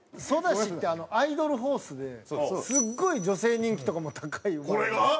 ソダシってアイドルホースですっごい女性人気とかも高い馬。